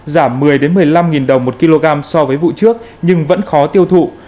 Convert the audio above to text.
giảm một mươi một mươi năm đồng một kg so với vụ trước nhưng vẫn khó tiêu thụ